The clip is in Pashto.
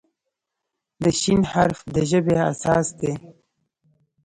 د "ش" حرف د ژبې اساس دی.